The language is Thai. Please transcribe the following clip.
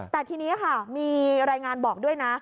แต่ทีนี้ค่ะมีรายงานบอกด้วยนะ